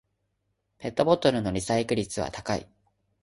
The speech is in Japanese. ペットボトルのリサイクル率は高い